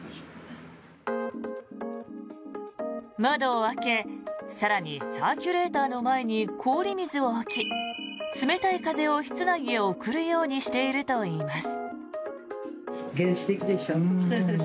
窓を開け更にサーキュレーターの前に氷水を置き冷たい風を室内へ送るようにしているといいます。